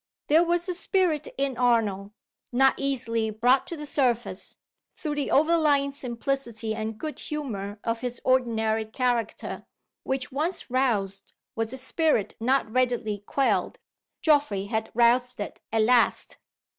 There was a spirit in Arnold not easily brought to the surface, through the overlying simplicity and good humor of his ordinary character which, once roused, was a spirit not readily quelled. Geoffrey had roused it at last.